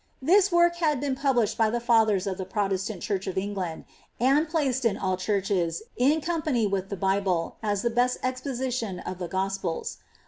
This work had been published by the fathers of the Protestant church of England, and placed in all churches, in company with the Bible, as the best exposition of the Gospels.'